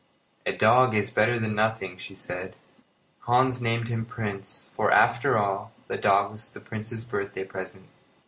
"A dog is better than nothing," she said. Hans named him Prince, for, after all, the dog was the Prince's birthday present.